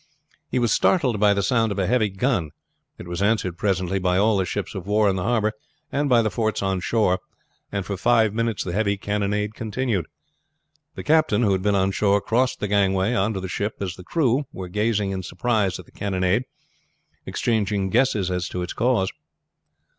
He was startled by the sound of a heavy gun. It was answered presently by all the ships of war in the harbor and by the forts on shore, and for five minutes the heavy cannonade continued. The captain, who had been on shore, crossed the gangway on to the ship as the crew were gazing in surprise at the cannonade, exchanging guesses as to its cause.